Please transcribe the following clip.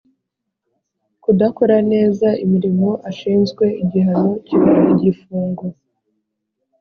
Kudakora neza imirimo ashinzwe igihano kiba igifungo